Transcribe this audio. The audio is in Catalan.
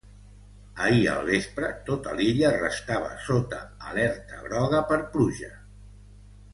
Ahir al vespre tota l’illa restava sota alerta groga per pluja.